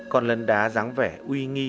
còn lần đá dáng vẻ uy nghi